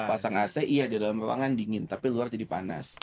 pasang ac iya di dalam ruangan dingin tapi luar jadi panas